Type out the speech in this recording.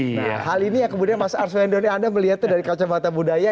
nah hal ini ya kemudian mas arswendone anda melihatnya dari kacamata budaya